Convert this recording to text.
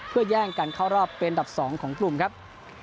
เพื่อแย่งกันเข้ารอบเป็นอันดับ๒ของกลุ่มครับ